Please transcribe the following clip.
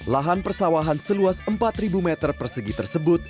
lahan persawahan seluas empat meter persegi tersebut